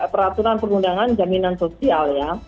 peraturan perundangan jaminan sosial ya